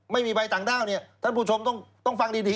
ไม่มีใบต่างด้าวเนี่ยท่านผู้ชมต้องฟังดี